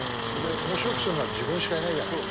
それ面白くするのは自分しかいないじゃない。